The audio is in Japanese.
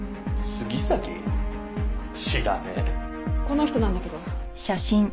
この人なんだけど。